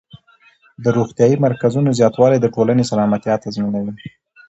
د روغتیايي مرکزونو زیاتوالی د ټولنې سلامتیا تضمینوي.